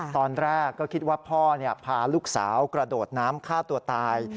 ตอนแรกก็คิดว่าพ่อพาลูกสาวกระโดดน้ำฆ่าตัวตาย